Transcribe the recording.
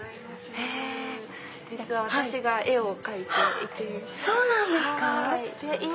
実は私が絵を描いて一点一点。